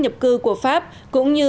nhập cư của pháp cũng như